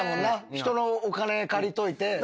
人のお金借りといて。